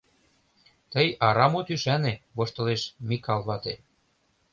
— Тый арам от ӱшане, — воштылеш Микал вате.